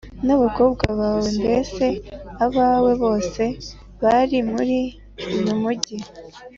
N abakobwa bawe mbese abawe bose bari muri uyu mugi